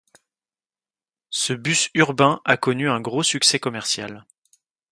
Ce bus urbain a connu un gros succès commercial.